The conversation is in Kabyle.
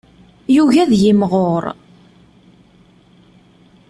Yugi ad yimɣur.